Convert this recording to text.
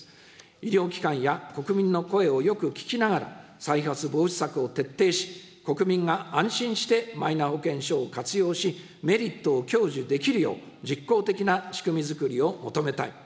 医療機関や国民の声をよく聴きながら、再発防止策を徹底し、国民が安心してマイナ保険証を活用し、メリットを享受できるよう、実効的な仕組みづくりを求めたい。